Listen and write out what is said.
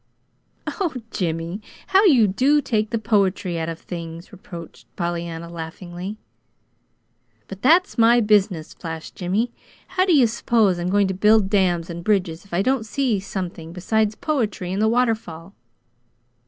"Oh, Jimmy, how you do take the poetry out of things," reproached Pollyanna, laughingly. "But that's my business," flashed Jimmy. "How do you suppose I'm going to build dams and bridges if I don't see something besides poetry in the waterfall?"